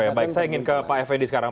ya baik saya ingin ke pak fnd sekarang